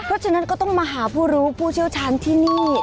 เพราะฉะนั้นก็ต้องมาหาผู้รู้ผู้เชี่ยวชาญที่นี่